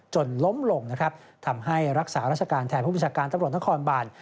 จนล้มลงนะครับทำให้รักษาราชการแทนผู้บัญชาการตำรวจนครบาน